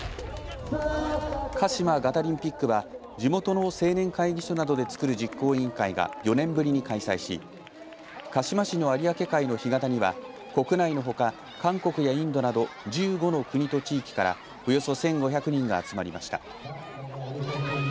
鹿島ガタリンピックは地元の青年会議所などで作る実行委員会が４年ぶりに開催し鹿島市の有明海の干潟には国内のほか韓国やインドなど１５の国と地域からおよそ１５００人が集まりました。